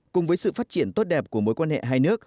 cùng với sự phát triển tốt đẹp của mối quan hệ hai nước